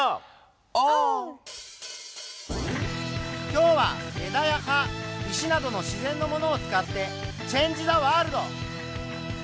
今日は枝や葉石などの自然のものを使ってチェンジ・ザ・ワールド！